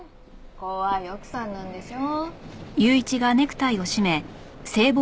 怖い奥さんなんでしょ？